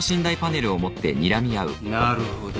なるほど。